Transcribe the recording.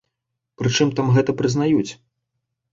Прычым там гэта прызнаюць.